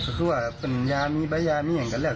ก็คือว่าเป็นยามีบ้ายามีอย่างกันแหละ